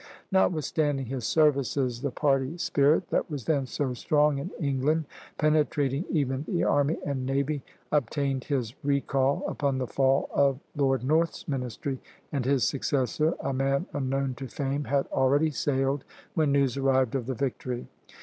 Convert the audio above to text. Notwithstanding his services, the party spirit that was then so strong in England, penetrating even the army and navy, obtained his recall upon the fall of Lord North's ministry, and his successor, a man unknown to fame, had already sailed when news arrived of the victory.